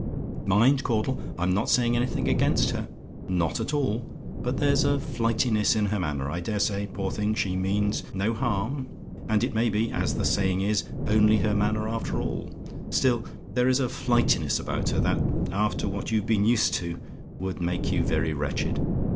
Mind, Caudle, I'm not saying anything against her; not at all; but there's a flightiness in her manner I dare say, poor thing, she means no harm, and it may be, as the saying is, only her manner after all still, there is a flightiness about her that, after what you've been used to, would make you very wretched.